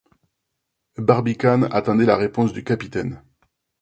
Barbicane attendait la réponse du capitaine.